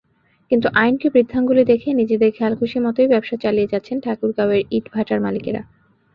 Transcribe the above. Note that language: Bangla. কিন্তু আইনকে বৃদ্ধাঙ্গুলি দেখিয়ে নিজেদের খেয়ালখুশিমতোই ব্যবসা চালিয়ে যাচ্ছেন ঠাকুরগাঁওয়ের ইটভাটার মালিকেরা।